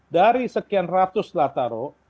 dari sekian ratus lataro